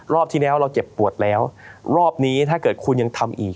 ที่แล้วเราเจ็บปวดแล้วรอบนี้ถ้าเกิดคุณยังทำอีก